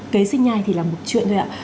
kế sinh nhai thì là một chuyện thôi ạ